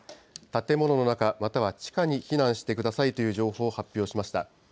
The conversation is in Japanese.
建物の中、または地下に避難してくださいという情報を発表しました。